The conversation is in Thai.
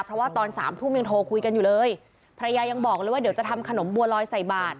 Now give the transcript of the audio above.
เพราะว่าตอนสามทุ่มยังโทรคุยกันอยู่เลยภรรยายังบอกเลยว่าเดี๋ยวจะทำขนมบัวลอยใส่บาท